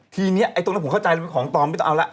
ทีนี้ไอ้ตรงนั้นผมเข้าใจแล้วเป็นของปลอมไม่ต้องเอาแล้ว